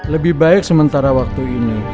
lebih baik sementara waktu ini